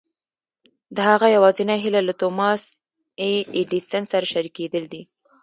د هغه يوازېنۍ هيله له توماس اې ايډېسن سره شريکېدل دي.